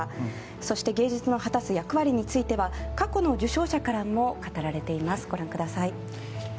そして芸術の果たす役割については過去の受賞者からも語られています、ご覧ください。